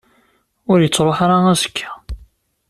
Ur yettruḥ ara azekka.